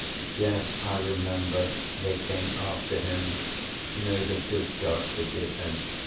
Yes, I remember. They came after Him. May the good God forgive Him.